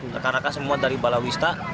rekan rekan semua dari balawista